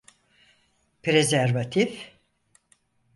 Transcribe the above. Prezervatif…